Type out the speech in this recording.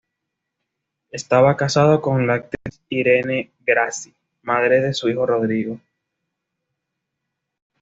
Estaba casado con la actriz Irene Grassi, madre de su hijo Rodrigo.